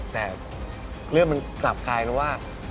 แต่เรื่องมันกลับกลายเป็นว่า